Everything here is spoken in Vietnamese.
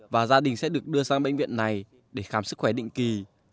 và gia đình sẽ được đưa sang bệnh viện này để khám sức khỏe định kỳ